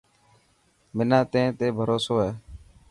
منان تين تي ڀروسو هي.